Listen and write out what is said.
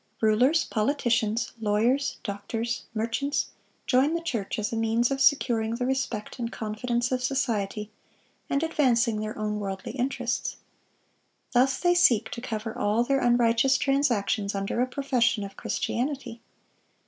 Rulers, politicians, lawyers, doctors, merchants, join the church as a means of securing the respect and confidence of society, and advancing their own worldly interests. Thus they seek to cover all their unrighteous transactions under a profession of Christianity.